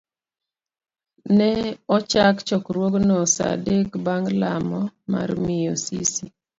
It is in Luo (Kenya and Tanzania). Ne ochak chokruogno sa adek bang' lamo mar miyo Sisi.